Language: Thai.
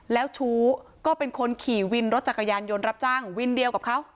แล้วชู้ก็เป็นคนขี่วินรถจักรยานยนต์รับจ้างวินเดียวกับเขา